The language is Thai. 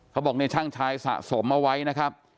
เขาบอกในช่างชายสะสมเอาไว้นะครับ